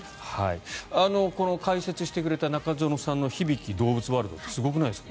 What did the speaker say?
この解説してくれた中ノ園さんのひびき動物ワールドってすごくないですか。